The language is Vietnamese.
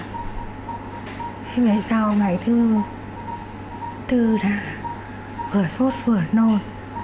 thế về sau ngày thứ bốn đã vừa sốt vừa nôn